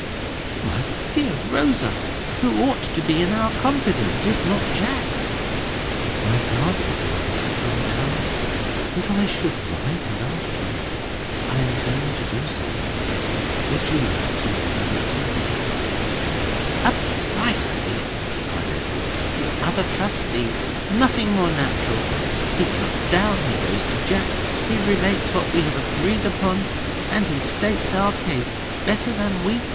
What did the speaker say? "My dear Rosa! who ought to be in our confidence, if not Jack?" "My guardian promised to come down, if I should write and ask him. I am going to do so. Would you like to leave it to him?" "A bright idea!" cried Edwin. "The other trustee. Nothing more natural. He comes down, he goes to Jack, he relates what we have agreed upon, and he states our case better than we could.